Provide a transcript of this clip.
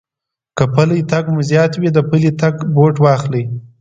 که پٔلی تگ مو زيات وي، د پلي تگ بوټ واخلئ.